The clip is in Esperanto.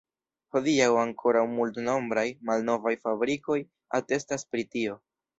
Hodiaŭ ankoraŭ multnombraj malnovaj fabrikoj atestas pri tio.